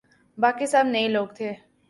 باقی سب نئے لوگ تھے۔